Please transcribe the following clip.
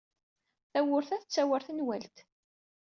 Tawwurt-a tettawi ɣer tenwalt.